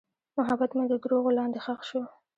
محبت مې د دروغو لاندې ښخ شو.